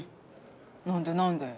何で何で？